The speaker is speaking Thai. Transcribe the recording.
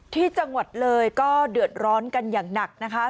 ที่จังหวัดเลยก็เดือดร้อนกันอย่างหนักนะคะ